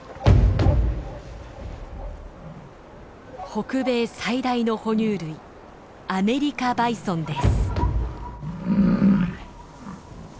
北米最大の哺乳類アメリカバイソンです。